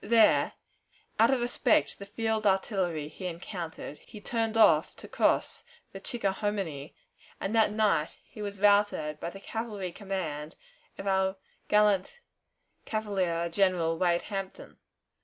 There, out of respect to the field artillery he encountered, he turned off to cross the Chickahominy, and that night he was routed by the cavalry command of our gallant cavalier General Wade Hampton.